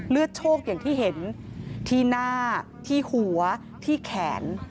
โชคอย่างที่เห็นที่หน้าที่หัวที่แขน